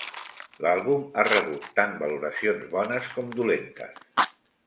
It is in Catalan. L'àlbum ha rebut tant valoracions bones com dolentes.